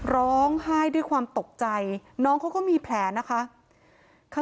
ร้องไห้ด้วยความตกใจน้องเขาก็มีแผลนะคะ